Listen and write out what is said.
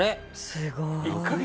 すごい。